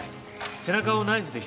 背中をナイフで一突き。